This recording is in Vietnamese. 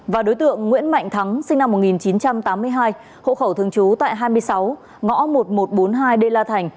và đối tượng nguyễn mạnh thắng sinh năm một nghìn chín trăm tám mươi hai hộ khẩu thường trú tại hai mươi sáu ngõ một nghìn một trăm bốn mươi hai đê la thành